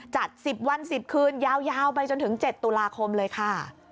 จัด๑๐วัน๑๐คืนยาวไปจนถึง๗ตุลาคมเลยค่ะ